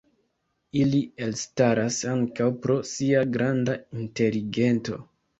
Ili elstaras ankaŭ pro sia granda inteligento.